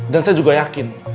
dan saya juga yakin